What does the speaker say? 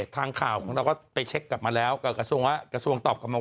แต่ปรากฎว่าตอนนี้ทางกระทรวงของเขา